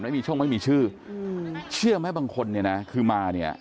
ไม่มีช่วงไม่มีชื่อเชื่อไหมบางคนคือมา